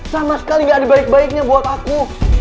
sama sekali gak ada baik baiknya buat aku